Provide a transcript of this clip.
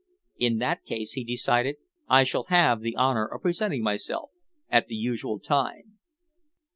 "In that case," he decided, "I shall have the honour of presenting myself at the usual time."